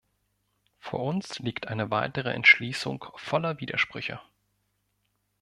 Vor uns liegt eine weitere Entschließung voller Widersprüche.